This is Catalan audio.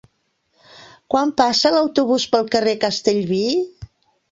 Quan passa l'autobús pel carrer Castellví?